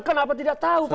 kenapa tidak tahu